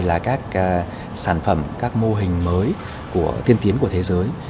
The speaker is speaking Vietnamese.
là các sản phẩm các mô hình mới tiên tiến của thế giới